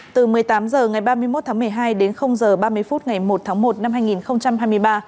từ một mươi tám h ngày ba mươi một tháng một mươi hai đến h ba mươi phút ngày một tháng một năm hai nghìn hai mươi ba